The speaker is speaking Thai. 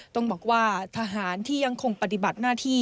ต้องบอกว่าทหารที่ยังคงปฏิบัติหน้าที่